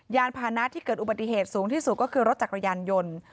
พานะที่เกิดอุบัติเหตุสูงที่สุดก็คือรถจักรยานยนต์